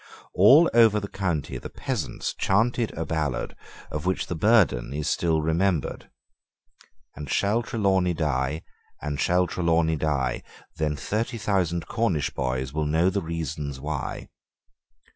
All over the county the peasants chanted a ballad of which the burden is still remembered: "And shall Trelawney die, and shall Trelawney die? Then thirty thousand Cornish boys will know the reason why."